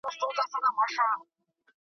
ژړا نه وه څو پیسوته خوشالي وه .